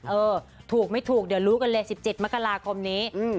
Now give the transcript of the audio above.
เออถูกไม่ถูกเดี๋ยวรู้กันเลย๑๗มกราคมนี้